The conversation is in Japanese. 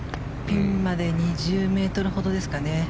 ピンまで２０ｍほどですかね。